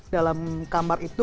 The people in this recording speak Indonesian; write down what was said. dalam kamar itu